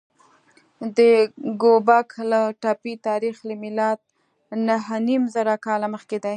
د ګوبک لي تپې تاریخ له میلاده نههنیمزره کاله مخکې دی.